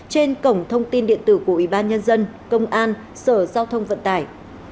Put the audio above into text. trên cổng thông tin điện tử của ủy ban nhân dân công an sở giao thông vận tải